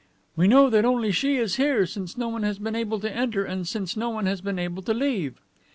"We know that only she is here, since no one has been able to enter and since no one has been able to leave."